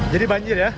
jadi banjir ya